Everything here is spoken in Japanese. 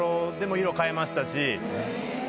色変えましたし。